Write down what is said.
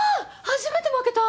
初めて負けた。